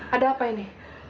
ada apa ini